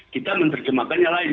kita menerjemahkannya lain